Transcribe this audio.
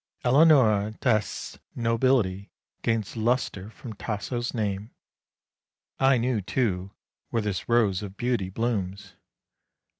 Eleanora d'Este's nobility gains lustre from Tasso's name. I knew, too, where this Rose of Beauty blooms!